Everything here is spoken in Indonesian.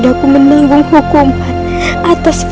ibu nang akan selamatkan ibu